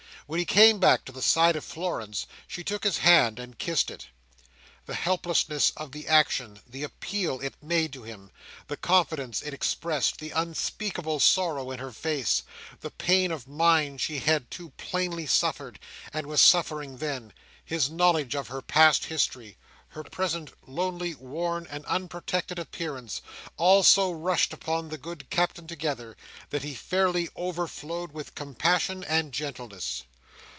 When he came back to the side of Florence, she took his hand, and kissed it. The helplessness of the action, the appeal it made to him, the confidence it expressed, the unspeakable sorrow in her face, the pain of mind she had too plainly suffered, and was suffering then, his knowledge of her past history, her present lonely, worn, and unprotected appearance, all so rushed upon the good Captain together, that he fairly overflowed with compassion and gentleness.